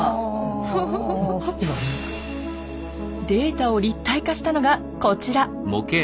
データを立体化したのがこちら。